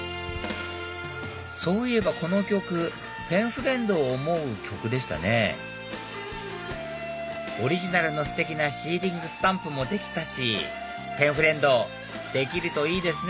そういえばこの曲ペンフレンドを思う曲でしたねオリジナルのステキなシーリングスタンプもできたしペンフレンドできるといいですね